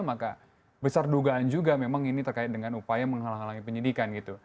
maka besar dugaan juga memang ini terkait dengan upaya menghalangi penyidikan